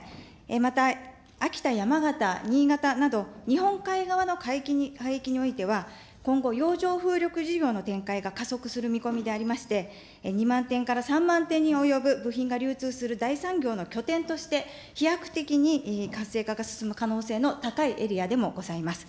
また秋田、山形、新潟など日本海側の海域においては、今後洋上風力事業の展開が加速する見込みでありまして、２万点から３万点におよぶ部品が流通する大産業の拠点として、飛躍的に活性化が進む可能性の高いエリアでもございます。